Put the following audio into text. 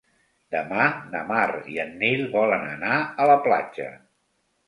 Demà na Mar i en Nil volen anar a la platja.